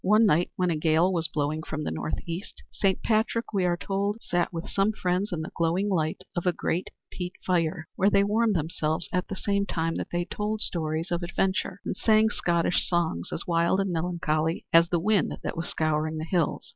One night, when a gale was blowing from the northeast, St. Patrick, we are told, sat with some friends in the glowing light of a great peat fire, where they warmed themselves at the same time that they told stories of adventure and sang Scottish songs as wild and melancholy as the wind that was scouring the hills.